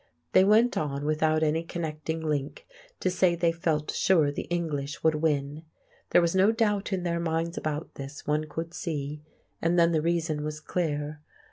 They went on without any connecting link to say they felt sure the English would win. There was no doubt in their minds about this, one could see; and then the reason was clear.